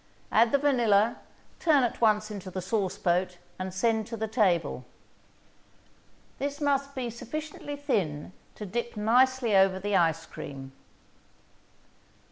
Add the vanilla, turn at once into the sauceboat and send to the table. This must be sufficiently thin to dip nicely over the ice cream.